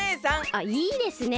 あっいいですね。